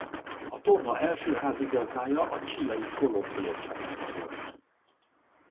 A torna első házigazdája a chilei Colo-Colo csapata volt.